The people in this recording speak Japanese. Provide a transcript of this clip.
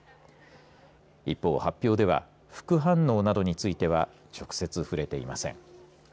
一方、発表では副反応などについては直接触れていません。